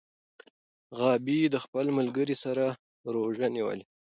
غابي د خپل ملګري سره روژه نیولې.